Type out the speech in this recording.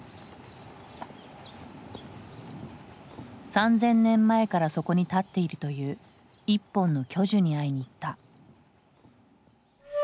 ３，０００年前からそこに立っているという１本の巨樹に会いに行った。